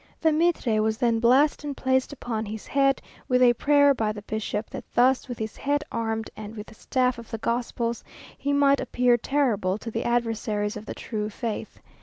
The mitre was then blessed and placed upon his head, with a prayer by the bishop, that thus, with his head armed and with the staff of the gospels, he might appear terrible to the adversaries of the True Faith.